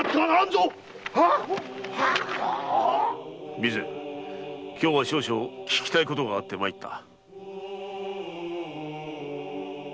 備前今日は少々訊きたいことがあって参った。